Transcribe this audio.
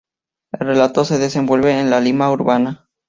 El relato se desenvuelve en la Lima urbana.